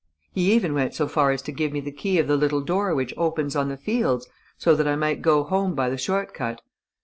He even went so far as to give me the key of the little door which opens on the fields, so that I might go home by the short cut.